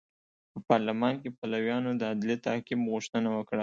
په پارلمان کې پلویانو د عدلي تعقیب غوښتنه وکړه.